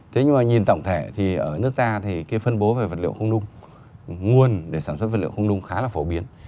thế nhưng mà nhìn tổng thể thì ở nước ta thì cái phân bố về vật liệu không nung nguồn để sản xuất vật liệu không nung khá là phổ biến